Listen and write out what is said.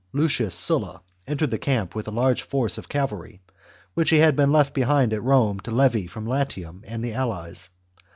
Lucius Sulla, entered the camp with a large force of cavalry, which he had been left behind at Rome to levy from Latium and the allies.